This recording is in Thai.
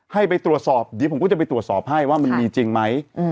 ให้ไปตรวจสอบเดี๋ยวผมก็จะไปตรวจสอบให้ว่ามันมีจริงไหม